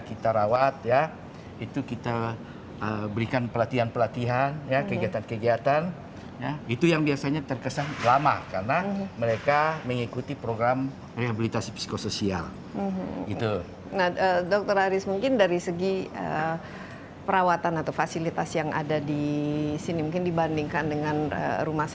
kedua wilayah itu sama sama memiliki skor prevalensi dua tujuh kasus dalam sejarah